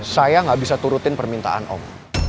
saya nggak bisa turutin permintaan om